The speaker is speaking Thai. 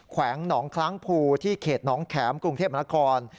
แวงหนองคล้างภูที่เขตน้องแข็มกรุงเทพมนาคม